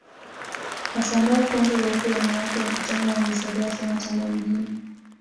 Wasambaa kwanza weupe wanawake wa kitanga wamezagaa Sana Tanga mjini